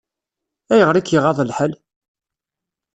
Ayɣer i k-iɣaḍ lḥal?